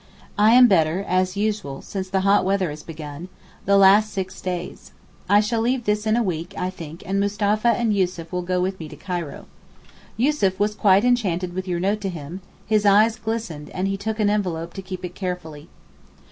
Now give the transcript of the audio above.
I am better as usual, since the hot weather has begun, the last six days. I shall leave this in a week, I think, and Mustapha and Yussuf will go with me to Cairo. Yussuf was quite enchanted with your note to him; his eyes glistened, and he took an envelope to keep it carefully.